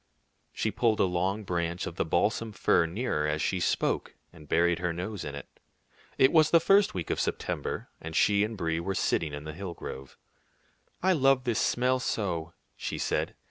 She pulled a long branch of the balsam fir nearer as she spoke, and buried her nose in it. It was the first week of September, and she and Brie were sitting in the hill grove. "I love this smell so," she said.